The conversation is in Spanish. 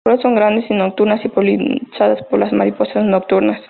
Las flores son grandes y nocturnas, polinizadas por las mariposas nocturnas.